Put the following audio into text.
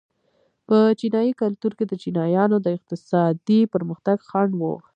په چینايي کلتور کې د چینایانو د اقتصادي پرمختګ خنډ و.